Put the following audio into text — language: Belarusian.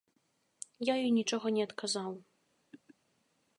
Я ёй нічога не адказаў.